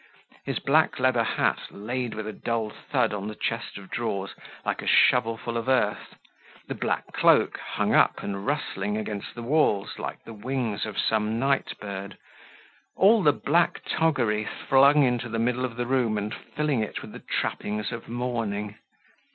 His black leather hat laid with a dull thud on the chest of drawers, like a shovelful of earth; the black cloak hung up and rustling against the walls like the wings of some night bird; all the black toggery flung into the middle of the room and filling it with the trappings of mourning.